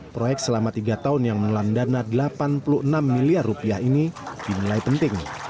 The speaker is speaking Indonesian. proyek selama tiga tahun yang melandana delapan puluh enam miliar rupiah ini dimilai penting